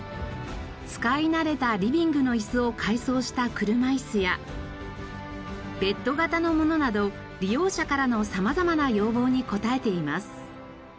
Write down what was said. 使い慣れたリビングのいすを改装した車いすやベッド型のものなど利用者からの様々な要望に応えています。